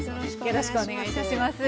よろしくお願いします。